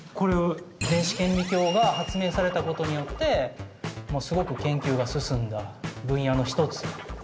電子顕微鏡が発明されたことによってすごく研究が進んだ分野の一つ。